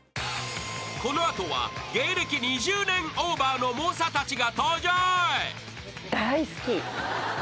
［この後は芸歴２０年オーバーの猛者たちが登場］